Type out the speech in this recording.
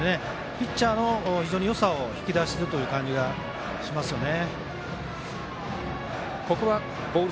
ピッチャーの非常によさを引き出してる感じがしますよね。